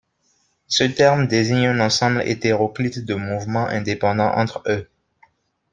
Ce terme désigne un ensemble hétéroclite de mouvements indépendants entre eux.